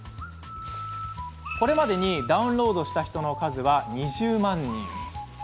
これまでにダウンロードした人の数は２０万人。